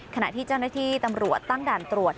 ขณะที่เจ้าหน้าที่ตำรวจตั้งด่านตรวจ